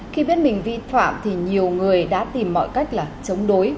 khi biết mình vi phạm thì nhiều người đã tìm mọi cách là chống đối